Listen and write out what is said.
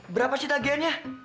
berapa sih tagihannya